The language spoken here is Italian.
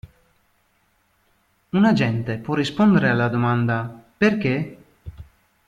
Un agente può rispondere alla domanda "perché?